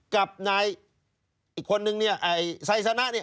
กับนายอีกคนนึงนี่ไซสนะนี่